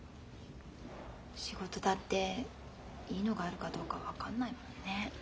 仕事だっていいのがあるかどうか分かんないもんね。